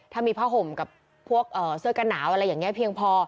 ถ้ามีผ้าห่มกับพวกเสื้อกันหนาวอะไรอย่างนี้เพียงพอ